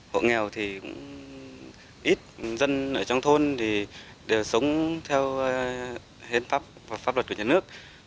hộ nghèo thì cũng ít dân ở trong thôn thì đều sống theo hiến pháp và pháp luật của nhà nước